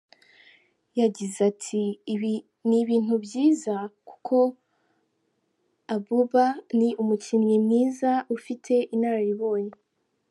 Yagize ati “Ni ibintu byiza kuko Abouba ni umukinnyi mwiza, ufite inararibonye.